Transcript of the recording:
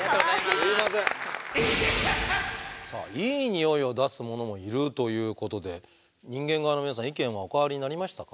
さあいいニオイを出すものもいるということで人間側の皆さん意見はお変わりになりましたか？